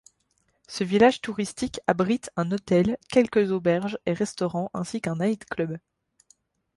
Ce village touristique abrite un hôtel, quelques auberges et restaurants, ainsi qu’un night-club.